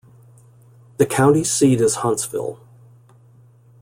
The county seat is Huntsville.